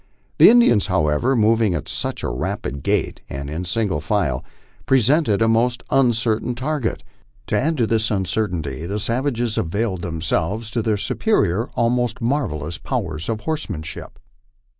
The Indians, however, moving at such a rapid gait and in single file, presented a most uncertain target. To add to this uncertainty, the savages availed them selves of their superior almost marvellous powers of horsemanship.